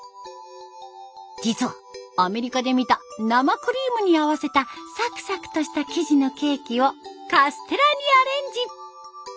実はアメリカで見た生クリームに合わせたサクサクとした生地のケーキをカステラにアレンジ！